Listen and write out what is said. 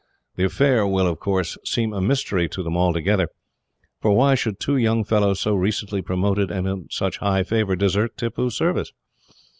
The affair will, of course, seem a mystery to them altogether; for why should two young fellows, so recently promoted, and in such high favour, desert Tippoo's service?